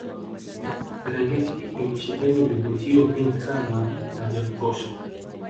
Serengeti imesheheni vivutio vingi sana na vya kutosha